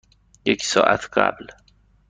یک ساعت قبل.